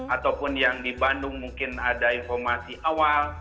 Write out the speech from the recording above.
ataupun yang di bandung mungkin ada informasi awal